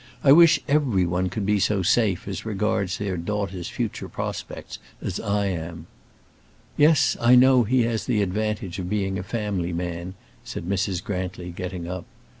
I wish every one could be so safe as regards their daughters' future prospects as I am." "Yes, I know he has the advantage of being a family man," said Mrs. Grantly, getting up.